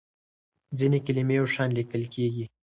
ځینې کلمې یو شان لیکل کېږي.